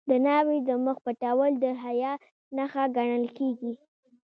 د ناوې د مخ پټول د حیا نښه ګڼل کیږي.